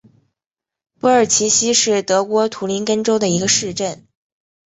珀尔齐希是德国图林根州的一个市镇。